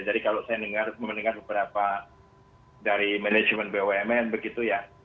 jadi kalau saya mendengar beberapa dari manajemen bumn begitu ya